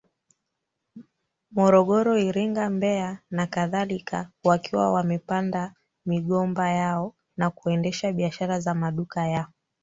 Morogoro Iringa Mbeya nakadhalika wakiwa wamepanda migomba yao na kuendesha biashara za maduka ya